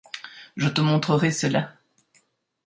Je te montrerai cela !